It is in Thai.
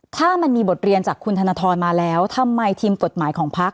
ถ้ามันมีบทเรียนจากคุณธนทรมาแล้วทำไมทีมกฎหมายของพัก